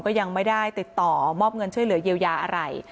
ก็ยังไม่ได้ติดต่อมอบเงินช่วยเหลือเยียวยาอะไร